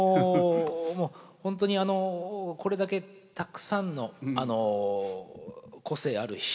もう本当にこれだけたくさんの個性ある人々。